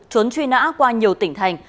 trốn truy nã qua nhiều tỉnh thành